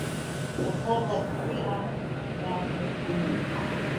A total of three operas were also premiered.